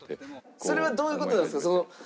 それはどういう事なんですか？